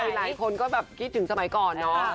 หลายคนก็แบบคิดถึงสมัยก่อนเนาะ